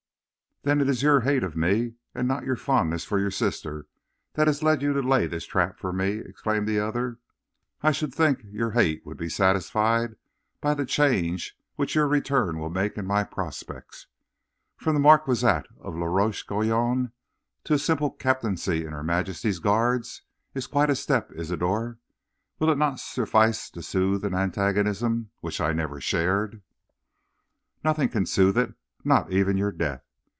"'Then it is your hate of me, and not your fondness for your sister, that has led you to lay this trap for me?' exclaimed the other. 'I should think your hate would be satisfied by the change which your return will make in my prospects. From the marquisate of La Roche Guyon to a simple captaincy in his majesty's guards is quite a step, Isidor. Will it not suffice to soothe an antagonism which I never shared?' "'Nothing can soothe it, not even your death!